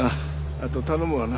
あと頼むわな。